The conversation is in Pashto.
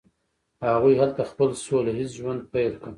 هغوی هلته خپل سوله ایز ژوند پیل کړ.